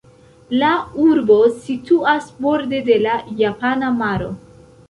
La urbo situas borde de la Japana maro.